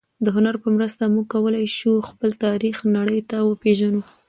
د هنر په مرسته موږ کولای شو خپل تاریخ نړۍ ته وپېژنو.